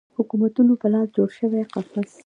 حکومتونو په لاس جوړ شوی قفس